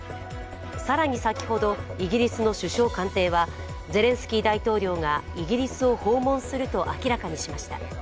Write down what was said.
更に先ほどイギリスの首相官邸はゼレンスキー大統領がイギリスを訪問すると明らかにしました。